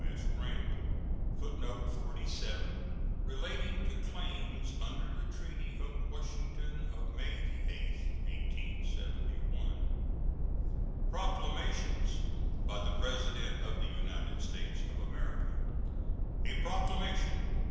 S. GRANT. [Footnote 47: Relating to claims under the treaty of Washington of May 8 1871.] PROCLAMATIONS. BY THE PRESIDENT OF THE UNITED STATES OF AMERICA. A PROCLAMATION.